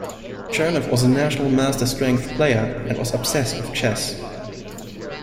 Chernev was a national master strength player, and was obsessed with chess.